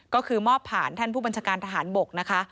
ก็คือมอบผ่านท่านผู้บัญชาการทหารบกนะคะ